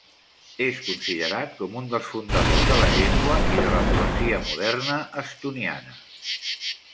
És considerat com un dels fundadors de la llengua i de la poesia moderna estoniana.